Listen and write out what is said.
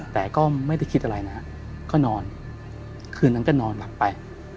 แต่ก็ไม่ได้คิดอะไรนะฮะก็นอนคืนนั้นก็นอนหลับไป